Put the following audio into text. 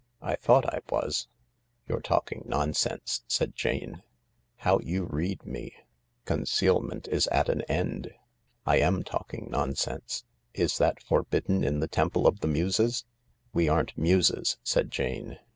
I thought I was." " You're talking nonsense !" said Jane. " How you read me 1 Concealment is at an end. I am talking nonsense. Is that forbidden in the Temple of the Muses ?" "We aren't Muses," said Jane.